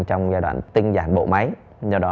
trong giai đoạn tinh giản bộ máy do đó